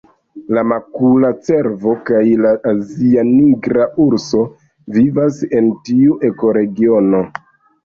La makula cervo kaj la azia nigra urso vivas en tiu ekoregiono.